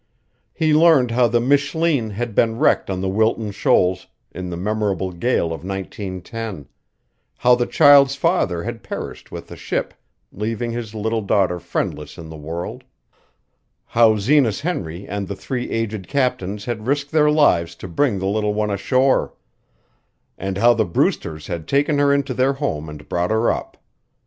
He learned how the Michleen had been wrecked on the Wilton Shoals in the memorable gale of 1910; how the child's father had perished with the ship, leaving his little daughter friendless in the world; how Zenas Henry and the three aged captains had risked their lives to bring the little one ashore; and how the Brewsters had taken her into their home and brought her up.